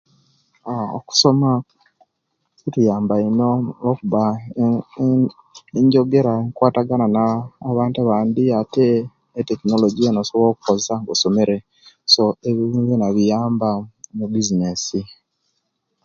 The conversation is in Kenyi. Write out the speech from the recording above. Okusoma kutuyamba ino lwokuba enjogera enkwatagana naa nabantu abandi ate technology yena osobola okoyesya nga osomere ebyo byobyona biyamba ne bizinesi